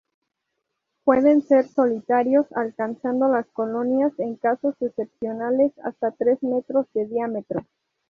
Pueden ser solitarios, alcanzando las colonias, en casos excepcionales, hasta tres metros de diámetro.